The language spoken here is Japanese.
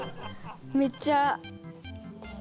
めっちゃ。